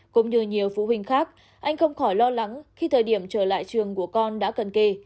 cũng như nhiều phụ huynh khác anh không khỏi lo lắng khi thời điểm trở lại trường của con đã cận kề